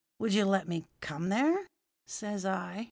"'Would you let me come there?' says I.